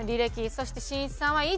そしてしんいちさんは１。